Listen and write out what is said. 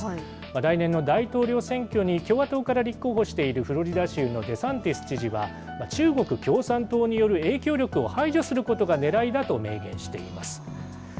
来年の大統領選挙に共和党から立候補しているフロリダ州のデサンティス知事は、中国共産党による影響力を排除することがねらいだと明言しています。